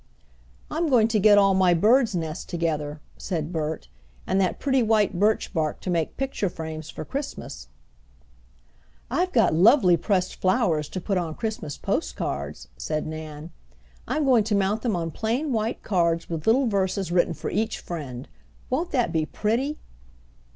"I'm going to get all my birds' nests together," said Bert, "and that pretty white birch bark to make picture frames for Christmas." "I've got lovely pressed flowers to put on Christmas post cards," said Nan. "I'm going to mount them on plain white cards with little verses written for each friend. Won't that be pretty?"